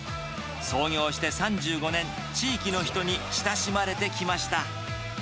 創業して３５年、地域の人に親しまれてきました。